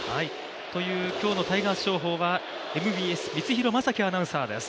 という今日のタイガース情報はＭＢＳ三ツ廣政輝アナウンサーです。